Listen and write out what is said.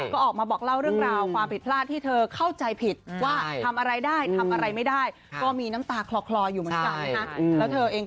ก็ออกมาบอกเล่าเรื่องราวความผิดพลาดที่เธอเข้าใจผิดว่าทำอะไรได้ทำอะไรไม่ได้ก็มีน้ำตาคลออยู่เหมือนกันนะคะ